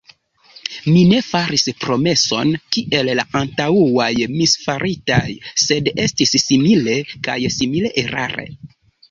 Mi ne faris promeson kiel la antaŭaj misfaritaj; sed estis simile, kaj simile erare.